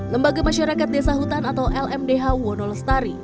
lembaga masyarakat desa hutan atau lmdh wonolestari